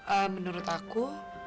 ehm menurut aku